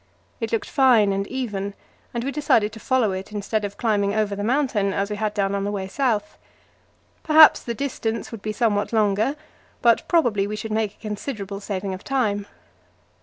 It looked fine and even, and we decided to follow it instead of climbing over the mountain, as we had done on the way south. Perhaps the distance would be somewhat longer, but probably we should make a considerable saving of time.